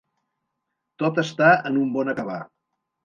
Tot està en un bon acabar.